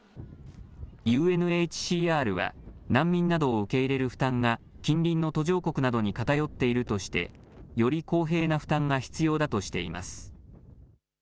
ＵＮＨＣＲは、難民などを受け入れる負担が、近隣の途上国などに偏っているとして、より公平な負担が必要だとしています。